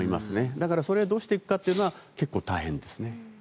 だからそれをどうしていくかは結構大変ですね。